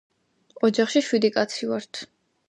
ოჯახში შვიდი კაცი ვართ